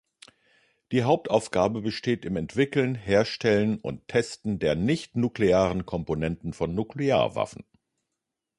Die Hauptaufgabe besteht im Entwickeln, Herstellen und Testen der nicht-nuklearen Komponenten von Nuklearwaffen.